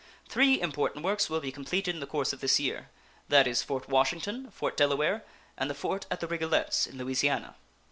Three important works will be completed in the course of this year that is, Fort Washington, Fort Delaware, and the fort at the Rigolets, in Louisiana.